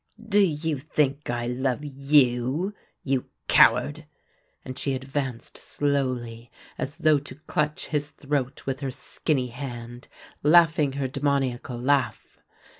"Do you think I love you, you coward?" and she advanced slowly as though to clutch his throat with her skinny hand, laughing her demoniacal laugh.